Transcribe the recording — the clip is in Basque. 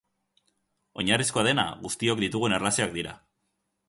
Oinarrizkoa dena, guztiok ditugun erlazioak dira.